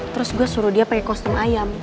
terus gue suruh dia pakai kostum ayam